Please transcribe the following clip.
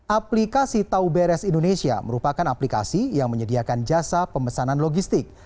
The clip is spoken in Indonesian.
aplikasi tauberes indonesia merupakan aplikasi yang menyediakan jasa pemesanan logistik